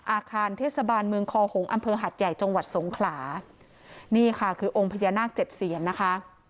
อาคารเทศบาลเมืองคอหงษ์อำเภอหัดใหญ่จังหวัดสงขลานี่ค่ะคือองค์พญานาคเจ็ดเซียนนะคะ